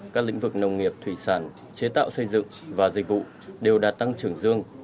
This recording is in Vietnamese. các lĩnh vực nông nghiệp thủy sản chế tạo xây dựng và dịch vụ đều đã tăng trưởng dương